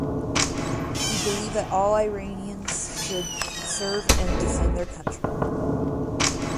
He believed that all Iranians should serve and defend their country.